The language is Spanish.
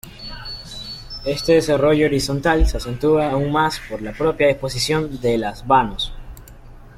Este desarrollo horizontal se acentúa aún más por la propia disposición de las vanos.